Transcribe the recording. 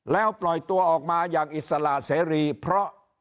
แล้วปล่อยตัวออกมาอย่างอิสระเสรีเพราะ